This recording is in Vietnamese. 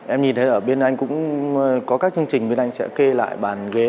em nhìn thấy ở bên anh cũng có các chương trình bên anh sẽ kê lại bàn ghế